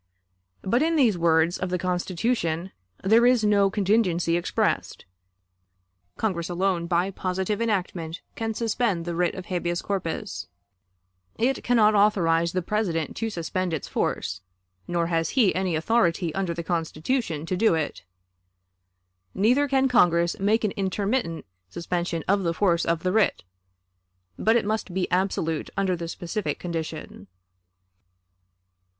But in these words, of the Constitution there is no contingency expressed. Congress alone by positive enactment can suspend the writ of habeas corpus. It can not authorize the President to suspend its force, nor has he any authority under the Constitution to do it. Neither can Congress make an intermittent suspension of the force of the writ; but it must be absolute under the specific condition.